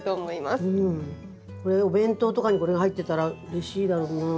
これお弁当とかにこれが入ってたらうれしいだろうな。